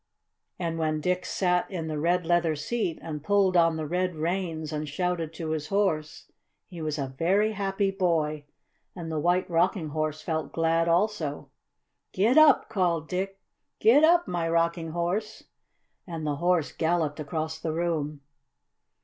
And when Dick sat in the red leather seat and pulled on the red reins and shouted to his Horse he was a very happy boy, and the White Rocking Horse felt glad also. "Gid dap!" called Dick. "Gid dap, my Rocking Horse!" And the Horse galloped across the room.